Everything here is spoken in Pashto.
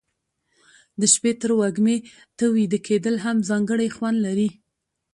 د شپې تروږمي ته ویده کېدل هم ځانګړی خوند لري.